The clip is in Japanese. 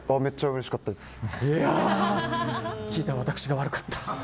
聞いた私が悪かった。